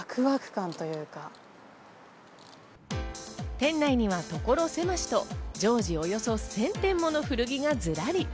店内には所狭しと常時およそ１０００点もの古着がずらり。